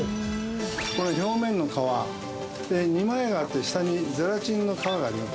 これ表面の皮２枚皮っていう下にゼラチンの皮があります